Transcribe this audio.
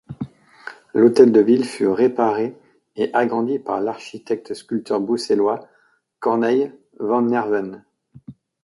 L'hôtel de ville fut réparé et agrandi par l'architecte-sculpteur bruxellois Corneille van Nerven.